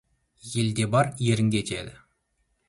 Елде бар ерінге тиеді.